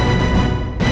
nih ga ada apa apa